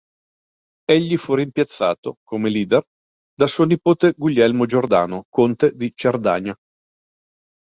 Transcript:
Egli fu rimpiazzato, come leader, da suo nipote Guglielmo Giordano, conte di Cerdagna.